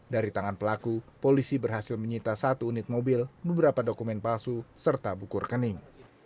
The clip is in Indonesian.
dari tangan pelaku polisi berhasil menyita satu unit mobil beberapa dokumen palsu serta buku rekening